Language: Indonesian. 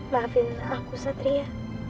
maafin aku satria